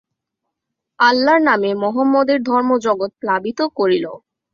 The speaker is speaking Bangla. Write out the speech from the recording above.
আল্লার নামে মহম্মদের ধর্মজগৎ প্লাবিত করিল।